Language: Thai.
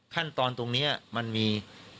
ขั้นตอนตรงนี้มันมี